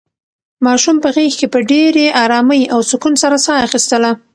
ماشوم په غېږ کې په ډېرې ارامۍ او سکون سره ساه اخیستله.